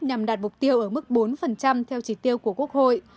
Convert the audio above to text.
nhằm đạt mục tiêu ở mức bốn theo chỉ tiêu của quốc hội